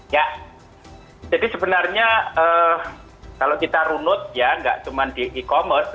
ya jadi sebenarnya kalau kita runut ya nggak cuma di e commerce